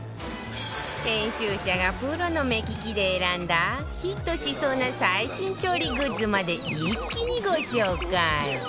編集者がプロの目利きで選んだヒットしそうな最新調理グッズまで一気にご紹介